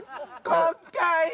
今回。